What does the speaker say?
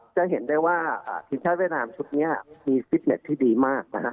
จะเห็นได้ว่าสินค้าเวียดนามชุดเนี่ยมีฟิสเน็ตที่ดีมากนะฮะ